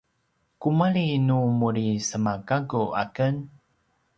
kumalji nu muri semagakku aken